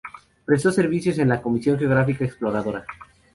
Prestó servicios en la Comisión Geográfica Exploradora.